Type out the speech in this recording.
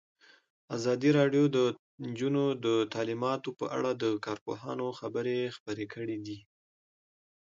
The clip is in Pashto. ازادي راډیو د تعلیمات د نجونو لپاره په اړه د کارپوهانو خبرې خپرې کړي.